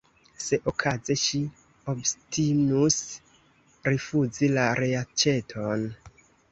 Se okaze ŝi obstinus rifuzi la reaĉeton!